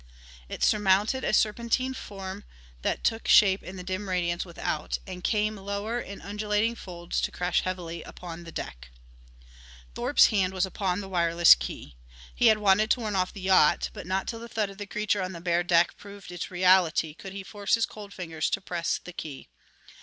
It surmounted a serpentine form that took shape in the dim radiance without and came lower in undulating folds to crash heavily upon the deck. Thorpe's hand was upon the wireless key. He had wanted to warn off the yacht, but not till the thud of the creature on the bare deck proved its reality could he force his cold fingers to press the key.